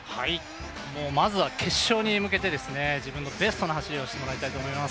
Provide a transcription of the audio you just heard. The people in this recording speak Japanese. もうまずは決勝に向けて自分のベストな走りをしていただきたいと思います。